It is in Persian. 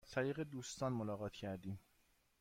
ما از طریق دوستان ملاقات کردیم.